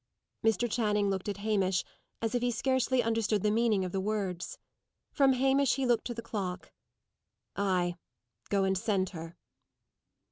Mr. Channing looked at Hamish, as if he scarcely understood the meaning of the words. From Hamish he looked to the clock. "Ay; go and send her."